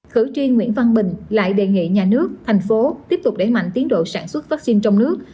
khử chuyên nguyễn văn bình lại đề nghị nhà nước thành phố tiếp tục đẩy mạnh tiến độ sản xuất vaccine trong nước